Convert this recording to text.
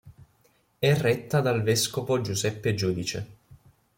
È retta dal vescovo Giuseppe Giudice.